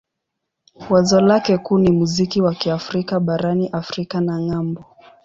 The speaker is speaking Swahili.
Wazo lake kuu ni muziki wa Kiafrika barani Afrika na ng'ambo.